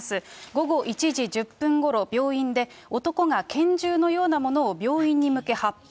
午後１時１０分ごろ、病院で男が拳銃のようなものを病院に向け発砲。